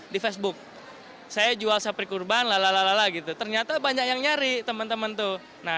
di facebook saya jual sapi kurban lalala gitu ternyata banyak yang nyari temen temen tuh nah